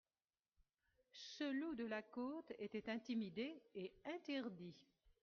Ce loup de la côte était intimidé et interdit.